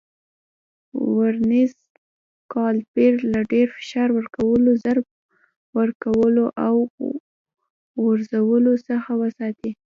ورنیز کالیپر له ډېر فشار ورکولو، ضرب ورکولو او غورځولو څخه وساتئ.